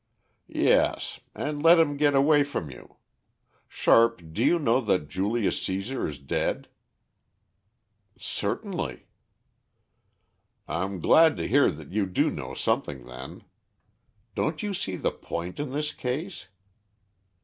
"Yes, and let him get away from you. Sharp do you know that Julius Cæsar is dead?" "Certainly." "I'm glad to hear that you do know something then. Don't you see the point in this case?